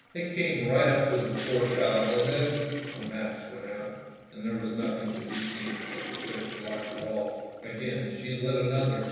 It came right up to the poor child, and then — the match went out, and there was nothing to be seen but the thick black wall. Again, she lit another.